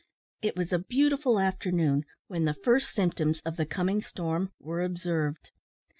It was a beautiful afternoon when the first symptoms of the coming storm were observed.